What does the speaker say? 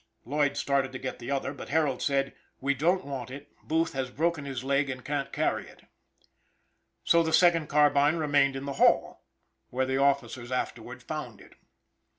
Lloyd started to get the other, but Harold said: "We don't want it; Booth has broken his leg and can't carry it." So the second carbine remained in the hall, where the officers afterward found it.